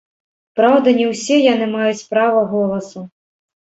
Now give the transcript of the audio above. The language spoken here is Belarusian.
Праўда, не ўсе яны маюць права голасу.